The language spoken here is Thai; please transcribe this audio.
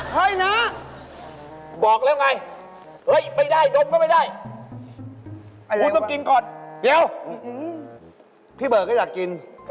พี่บอกก่อนก็อยากกิน